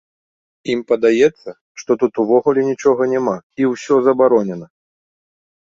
Ім падаецца, што тут увогуле нічога няма і ўсё забаронена!